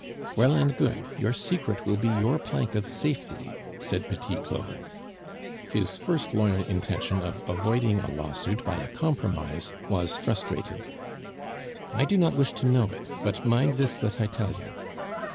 "Well and good, your secret will be your plank of safety," said Petit Claud; his first loyal intention of avoiding a lawsuit by a compromise was frustrated. "I do not wish to know it; but mind this that I tell you.